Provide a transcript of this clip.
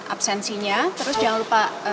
absensinya terus jangan lupa